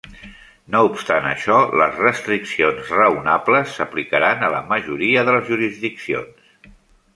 No obstant això, les restriccions "raonables" s'aplicaran a la majoria de les jurisdiccions.